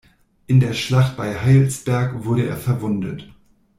In der Schlacht bei Heilsberg wurde er verwundet.